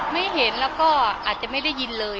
ไม่เห็นแล้วก็อาจจะไม่ได้ยินเลย